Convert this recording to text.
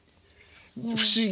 不思議。